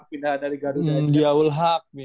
pindah dari garuda aja